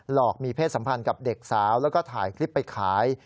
อกมีเพศสัมพันธ์กับเด็กสาวแล้วก็ถ่ายคลิปไปขาย